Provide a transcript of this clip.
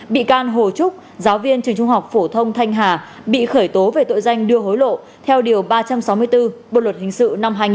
bị can hồ trúc giáo viên trường trung học phổ thông thanh hà bị khởi tố về tội danh đưa hối lộ theo điều ba trăm sáu mươi bốn bộ luật hình sự năm hai nghìn một mươi năm